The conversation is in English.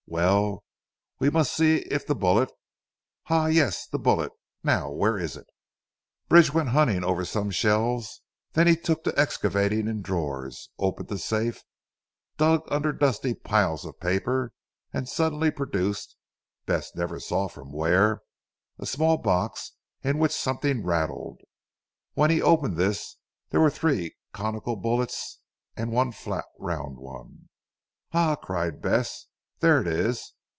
"Well, we must see if the bullet Ha! yes, the bullet. Now where is it?" Bridge went hunting over some shelves, and then he took to excavating in drawers opened a safe, dug under dusty piles of papers, and suddenly produced (Bess never saw from where) a small box in which something rattled. When he opened this there were three conical bullets and one fat round one. "Ah," cried Bess, "there it is.